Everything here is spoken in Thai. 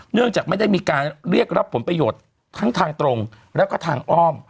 เนื่องจากไม่ได้มีการเรียกรับผลประโยชน์ทั้งทางตรงแล้วก็ทางอ้อม